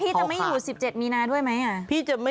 จะไม่อยู่๑๗มีนาด้วยไหม